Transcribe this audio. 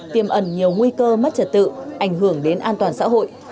tiêm ẩn nhiều nguy cơ mất trật tự ảnh hưởng đến an toàn xã hội